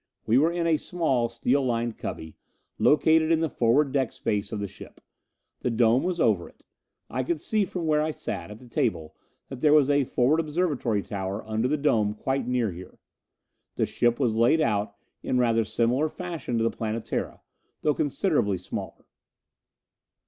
We were in a small, steel lined cubby, located in the forward deck space of the ship. The dome was over it. I could see from where I sat at the table that there was a forward observatory tower under the dome quite near here. The ship was laid out in rather similar fashion to the Planetara, though considerably smaller.